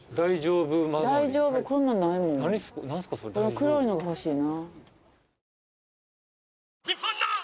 黒いのが欲しいな。